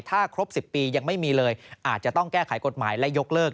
ถ้าครบ๑๐ปียังไม่มีเลยอาจจะต้องแก้ไขกฎหมายและยกเลิก